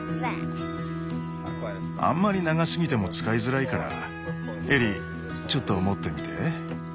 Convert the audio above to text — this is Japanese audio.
あんまり長すぎても使いづらいからエリーちょっと持ってみて。